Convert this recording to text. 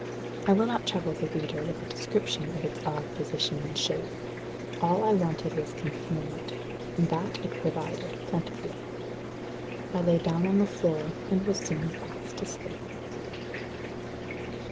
I will not trouble my reader with a description of its odd position and shape. All I wanted was concealment, and that it provided plentifully. I lay down on the floor, and was soon fast asleep.